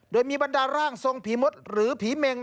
โดยมีบรรดาร่างทรงผีมดหรือผีเมง